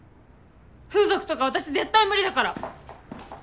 風俗とか私絶対無理だから！